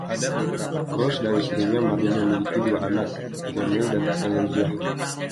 Croce dan istrinya Marlo memiliki dua anak, Camille dan Elijah.